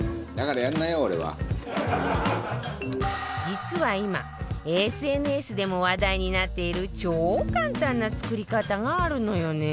実は今 ＳＮＳ でも話題になっている超簡単な作り方があるのよね